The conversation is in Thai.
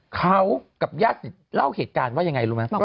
กับย่าศิษย์เล่าเหตุการณ์ว่ายังไงรู้มั้ย